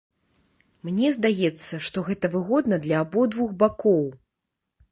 Мне здаецца, што гэта выгодна для абодвух бакоў.